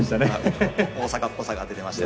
大阪っぽさが出てました。